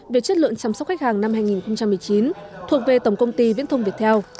về chất lượng chăm sóc khách hàng năm hai nghìn một mươi chín thuộc về tổng công ty viễn thông việt theo